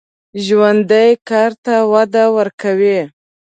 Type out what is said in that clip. ژوندي کار ته وده ورکوي